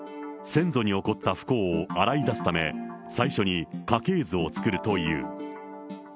先祖に起こった不幸を洗い出すため、最初に家系図を作るという。